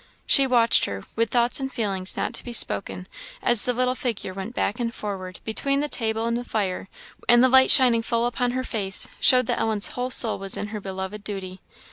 She watched her, with thoughts and feelings not to be spoken, as the little figure went back and forward between the table and the fire, and the light shining full upon her face, showed that Ellen's whole soul was in her beloved duty.